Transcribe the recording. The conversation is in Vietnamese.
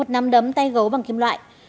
một nắm đấm tay gấu bằng kim loại